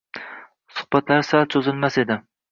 Suhbatlari sal cho‘zilmas edi.